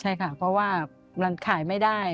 ใช่ค่ะเพราะว่ามันขายไม่ได้